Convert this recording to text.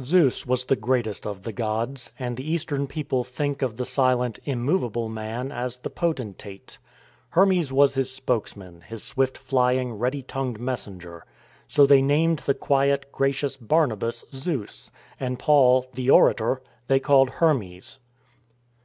Zeus was the greatest of the gods, and the Eastern people think of the silent, immovable man as the potentate; Hermes was his spokesman, his swift flying, ready tongued messenger.^ So they named the quiet, gracious Barnabas, Zeus; and Paul, the orator, they called Hermes.